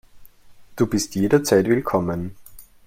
Du bist jederzeit willkommen.